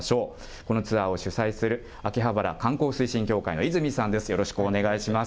このツアーを主催する秋葉原観光推進協会の泉さんです、よろしくお願いします。